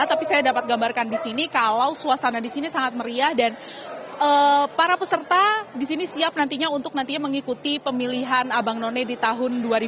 tapi saya dapat gambarkan disini kalau suasana disini sangat meriah dan para peserta disini siap nantinya untuk nantinya mengikuti pemilihan abang none di tahun